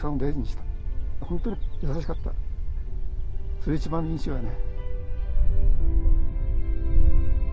それ一番印象やね。